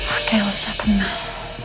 oke lu setenang